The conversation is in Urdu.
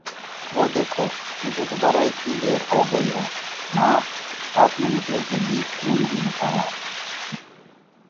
وه دیکھو. مجهے دوباره اتنی دیر ہو گئی ہے! ماں، آپ نے مجھے جلدی کیوں نہیں اٹھایا!